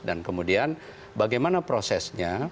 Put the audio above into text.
dan kemudian bagaimana prosesnya